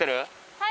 はい。